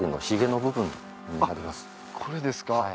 これですか？